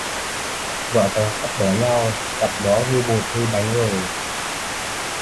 Vợ chồng sắp bỏ nhau, cặp đó hư bột hư bánh rồi